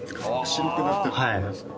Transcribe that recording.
白くなってるとこですか？